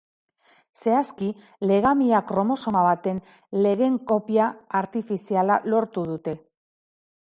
Zehazki, legamia kromosoma baten legen kopia artifiziala lortu dute.